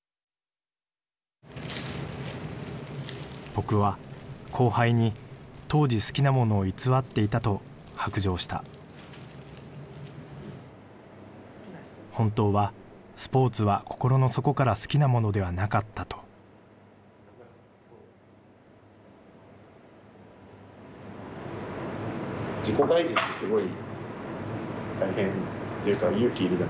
僕は後輩に「当時好きなものを偽っていた」と白状した「本当はスポーツは心の底から好きなものではなかった」といやすごい。